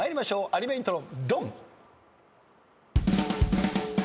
アニメイントロ。